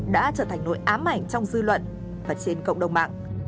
đã trở thành nỗi ám ảnh trong dư luận và trên cộng đồng mạng